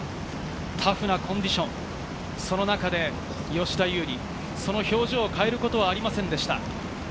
タフなコンディション、その中で吉田優利、その表情を変えることはありませんでした。